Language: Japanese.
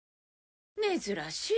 珍しい。